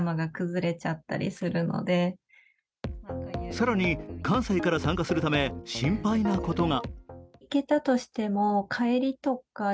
更に関西から参加するため心配なことが。